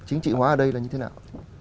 chính trị hóa ở đây là như thế nào